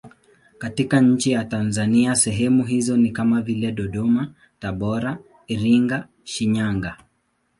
Katika nchi ya Tanzania sehemu hizo ni kama vile Dodoma, Tabora, Iringa, Shinyanga.